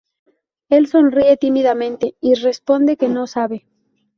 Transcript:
Él sonríe tímidamente y responde que "no sabe".